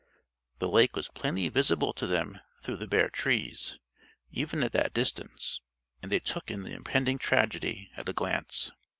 The lake was plainly visible to them through the bare trees, even at that distance, and they took in the impending tragedy at a glance.